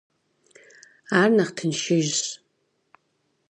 Ар нэхъ тыншыжщ.